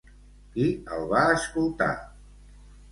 Qui el va escoltar?